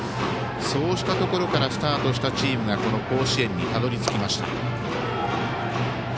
そうしたところからスタートしたチームがこの甲子園にたどり着きました。